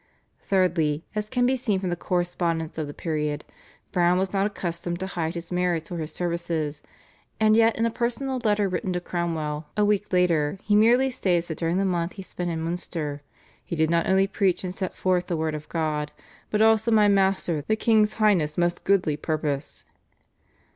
Thirdly, as can be seen from the correspondence of the period, Browne was not accustomed to hide his merits or his services, and yet in a personal letter written to Cromwell a week later he merely states that during the month he spent in Munster "he did not only preach and set forth the word of God, but also my master, the King's Highness most goodly purpose."